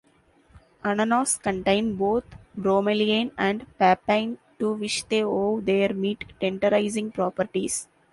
Ananas contain both bromelain and papain to which they owe their meat tenderizing properties.